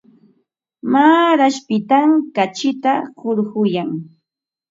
Maaraspitam kachita hurquyan.